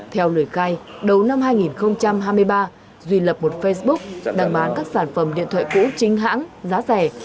theo lời khai đầu năm hai nghìn hai mươi ba duy lập một facebook đang bán các sản phẩm điện thoại cũ chính hãng giá rẻ